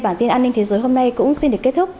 bản tin an ninh thế giới hôm nay cũng xin được kết thúc